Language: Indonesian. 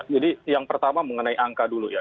jadi yang pertama mengenai angka dulu ya